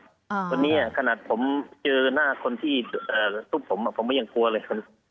คนนี้ขนาดผมเจอหน้าคนที่ทุบผมผมก็ยังกลัวเลย